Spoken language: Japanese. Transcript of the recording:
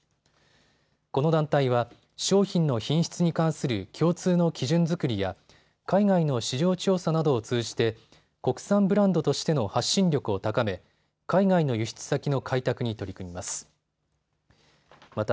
この団体は商品の品質に関する共通の基準作りや海外の市場調査などを通じて国産ブランドとしての発信力を高め海外の輸出先の開拓に取り組みます。